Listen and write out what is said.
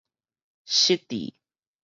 失智